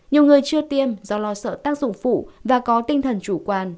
nhiều người chưa tiêm do lo sợ tác dụng phụ và có tinh thần chủ quan